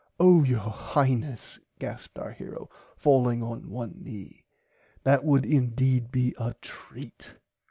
Oh your Highness gasped our hero falling on one knee that would indeed be a treat.